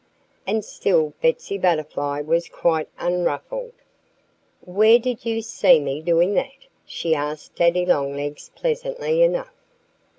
And still Betsy Butterfly was quite unruffled. "Where did you see me doing that?" she asked Daddy Longlegs pleasantly enough.